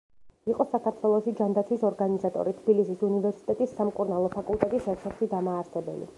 იყო საქართველოში ჯანდაცვის ორგანიზატორი, თბილისის უნივერსიტეტის სამკურნალო ფაკულტეტის ერთ–ერთი დამაარსებელი.